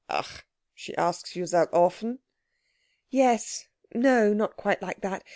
"Ach she asks you that often?" "Yes no, not quite like that.